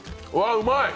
うまい！